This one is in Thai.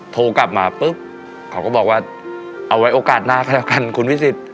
โทรกลับมาปุ๊บเขาก็บอกว่าเอาไว้โอกาสหน้าก็แล้วกันคุณวิสิทธิ